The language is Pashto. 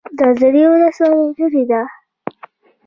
د ازرې ولسوالۍ لیرې ده